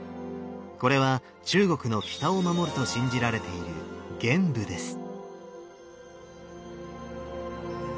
これは中国の北を守ると信じられている玄武です。